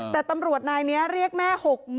แต่ตำรวจนายนี้เรียกแม่๖๐๐๐